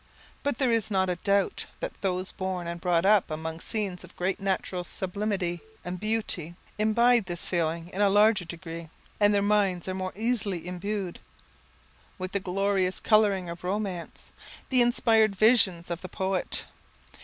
But there is not a doubt that those born and brought up among scenes of great natural sublimity and beauty, imbibe this feeling in a larger degree, and their minds are more easily imbued with the glorious colouring of romance, the inspired visions of the poet.